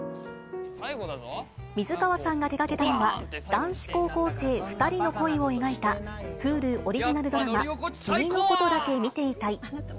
水川さんが手がけたのは、男子高校生２人の恋を描いた、Ｈｕｌｕオリジナルドラマ、君のことだけ見ていたい。